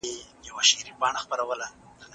په پښتو کي د پخوانیو کیسو خوند بېل دی